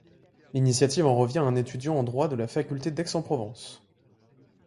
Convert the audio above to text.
L'initiative en revient à un étudiant en droit de la faculté d'Aix-en-Provence.